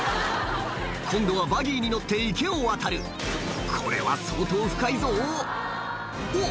今度はバギーに乗って池を渡るこれは相当深いぞおっ